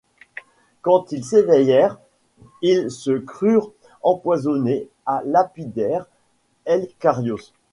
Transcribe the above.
Quand ils s’éveillèrent, ils se crurent empoisonnés et lapidèrent Icarios.